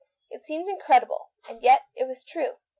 It seemed incredible, and yet it was true.